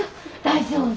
大丈夫？